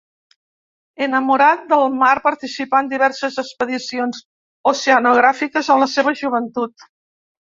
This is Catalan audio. Enamorat del mar, participà en diverses expedicions oceanogràfiques en la seva joventut.